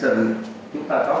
chúng ta có một sức mạnh